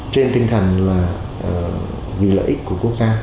trên tinh thần là vì lợi ích của quốc gia